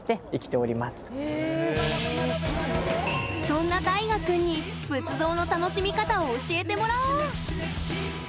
そんなたいがくんに仏像の楽しみ方を教えてもらおう！